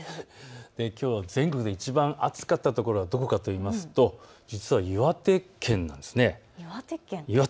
きょうは全国でいちばん暑かったところがどこかというと実は岩手県なんです。